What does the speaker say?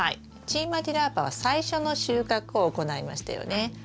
チーマ・ディ・ラーパは最初の収穫を行いましたよね。